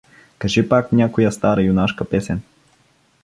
Кажи пак някоя стара юнашка песен.